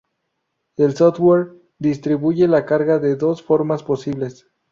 El "software" distribuye la carga de dos formas posibles.